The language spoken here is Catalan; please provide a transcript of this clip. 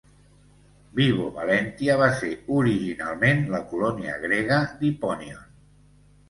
Vibo Valentia va ser originalment la colònia grega d'Hipponion.